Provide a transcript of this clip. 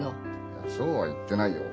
いやそうは言ってないよ。